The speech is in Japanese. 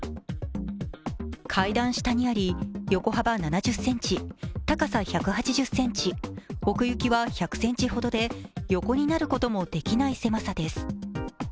階段下にあり、横幅７０ｃｍ、高さ１８０ｃｍ、奥行き１００ｃｍほどで横になることもできない狭さです。